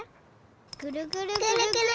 ぐるぐるぐるぐる！